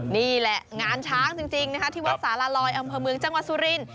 นี่แหละงานช้างจริงที่วัดสารลอยอำเภอเมืองจังหวัดสุรินทร์